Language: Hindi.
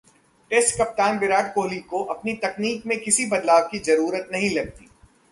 टेस्ट कप्तान विराट कोहली को अपनी तकनीक में किसी बदलाव की जरूरत नहीं लगती